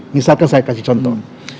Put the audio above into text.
misalkan saya kasih contoh